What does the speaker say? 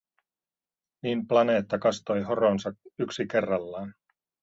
Niin planeetta kastoi horonsa yksi kerrallaan.